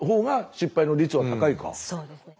そうですね。